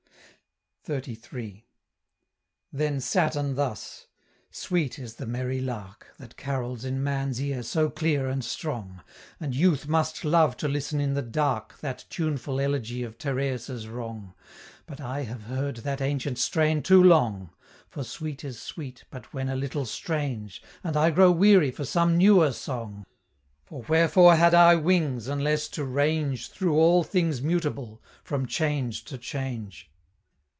XXXIII. Then Saturn thus; "Sweet is the merry lark, That carols in man's ear so clear and strong; And youth must love to listen in the dark That tuneful elegy of Tereus' wrong; But I have heard that ancient strain too long, For sweet is sweet but when a little strange, And I grow weary for some newer song; For wherefore had I wings, unless to range Through all things mutable, from change to change?"